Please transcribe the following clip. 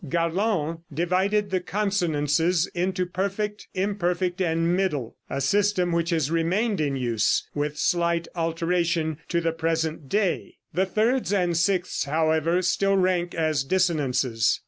Garland divided the consonances into perfect, imperfect and middle a system which has remained in use, with slight alteration, to the present day. The thirds and sixths, however, still rank as dissonances.